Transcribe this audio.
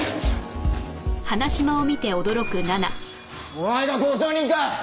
お前が交渉人か？